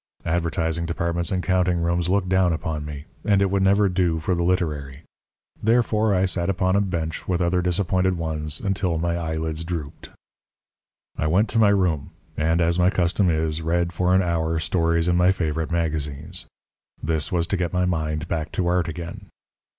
Advertising departments and counting rooms look down upon me. And it would never do for the literary. Therefore I sat upon a bench with other disappointed ones until my eyelids drooped. I went to my room, and, as my custom is, read for an hour stories in my favourite magazines. This was to get my mind back to art again.